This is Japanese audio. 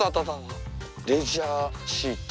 レジャーシート。